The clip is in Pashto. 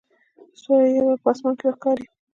ستوري یو یو په اسمان کې راښکاري.